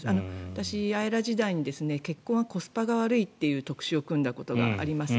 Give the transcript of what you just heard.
私、「ＡＥＲＡ」時代に結婚はコスパが悪いという特集を組んだことがあります。